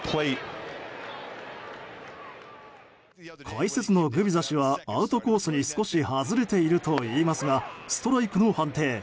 解説のグビザ氏はアウトコースに少し外れていると言いますがストライクの判定。